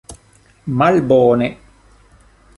malbone